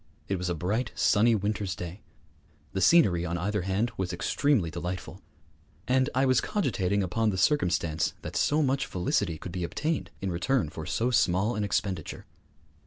It was a bright, sunny winter's day; the scenery on either hand was extremely delightful; and I was cogitating upon the circumstance that so much felicity could be obtained in return for so small an expenditure.